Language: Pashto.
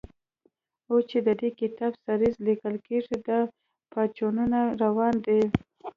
اوس چې د دې کتاب سریزه لیکل کېږي، دا پاڅونونه روان دي.